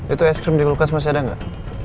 itu es krim di kulkas masih ada nggak